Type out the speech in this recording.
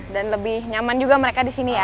dan lebih nyaman juga mereka di sini ya